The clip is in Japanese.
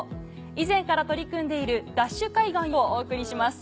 以前から取り組んでいる「ＤＡＳＨ海岸」をお送りします。